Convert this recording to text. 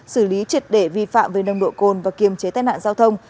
xử lý triệt để vi phạm về nông độ cồn và kiềm chế tai nạn giao thông